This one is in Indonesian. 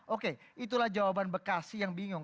oke itulah jawaban bekasi yang bingung